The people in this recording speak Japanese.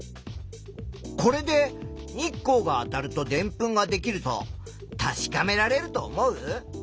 これで日光があたるとでんぷんができると確かめられると思う？